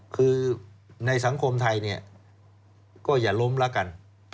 คือในสังคมไทยก็อย่าล้มแล้วกัน